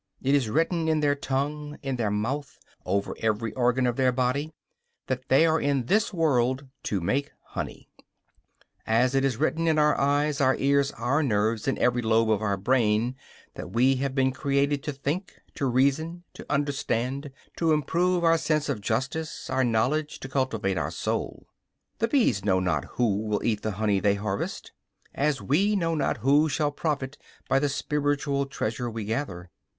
It is written in their tongue, in their mouth, over every organ of their body, that they are in this world to make honey; as it is written in our eyes, our ears, our nerves, in every lobe of our brain, that we have been created to think, to reason, to understand, to improve our sense of justice, our knowledge, to cultivate our soul. The bees know not who will eat the honey they harvest, as we know not who shall profit by the spiritual treasure we gather.